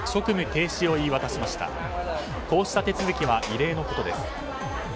こうした手続きは異例のことです。